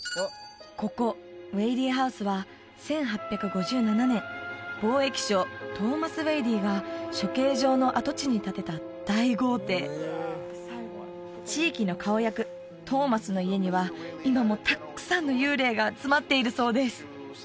ここウェイリーハウスは１８５７年貿易商トーマス・ウェイリーが処刑場の跡地に建てた大豪邸地域の顔役トーマスの家には今もたくさんの幽霊が集まっているそうです